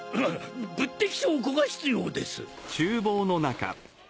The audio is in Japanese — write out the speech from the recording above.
「物的証拠が必要です」。